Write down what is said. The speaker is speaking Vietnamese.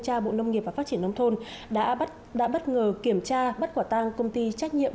tra bộ nông nghiệp và phát triển nông thôn đã bất ngờ kiểm tra bắt quả tang công ty trách nhiệm